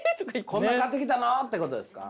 「こんな買ってきたの？」ってことですか？